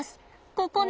ここね！